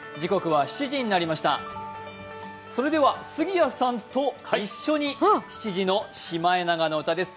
杉谷さんと一緒に７時の「シマエナガの歌」です。